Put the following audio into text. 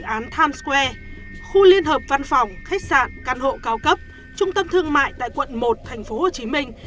dự án times square khu liên hợp văn phòng khách sạn căn hộ cao cấp trung tâm thương mại tại quận một thành phố hồ chí minh